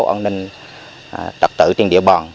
còn nên tật tự trên địa bòn